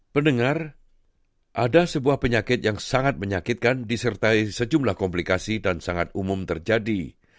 pendengar ada sebuah penyakit yang sangat menyakitkan disertai sejumlah komplikasi dan sangat umum terjadi